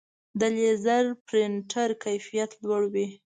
د لیزر پرنټر کیفیت لوړ وي.